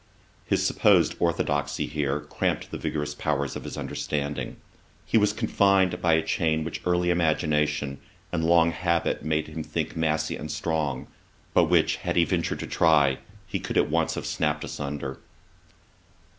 His supposed orthodoxy here cramped the vigorous powers of his understanding. He was confined by a chain which early imagination and long habit made him think massy and strong, but which, had he ventured to try, he could at once have snapt asunder.